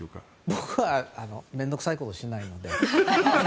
僕は面倒くさいことしないので。